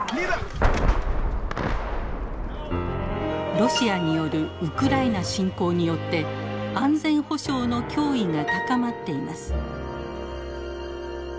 ロシアによるウクライナ侵攻によって安全保障の脅威が高まっています。